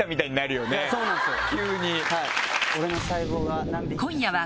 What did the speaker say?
急に。